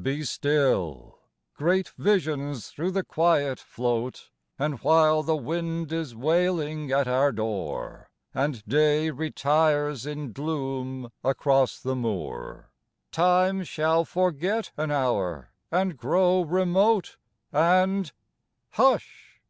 Be still great visions through the quiet float, And while the wind is wailing at our door, And day retires in gloom across the moor, Time shall forget an hour and grow remote And Hush